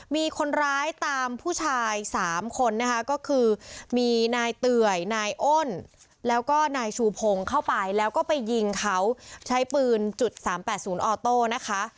มีคนร้ายตามผู้ชาย๓คนนะคะก็คือมีนายเตยนายอ้นแล้วก็นายชูพงศ์เข้าไปแล้วก็ไปยิงเขาใช้ปืนจุด๓๘๐ออโต้นะคะ